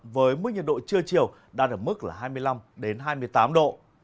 với mức nhiệt độ trưa chiều đang ở mức hai mươi năm hai mươi tám độ